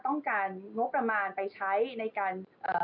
ต้องการงบประมาณไปใช้ในการเอ่อ